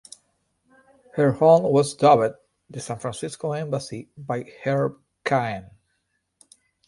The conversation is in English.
Her home was dubbed the "San Francisco Embassy" by Herb Caen.